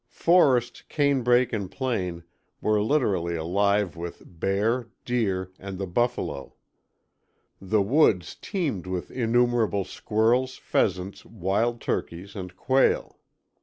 Forest, cane brake and plain were literally alive with bear, deer and the buffalo; the woods teemed with innumerable squirrels, pheasants, wild turkeys and quail.